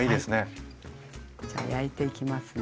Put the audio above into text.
じゃあ焼いていきますね。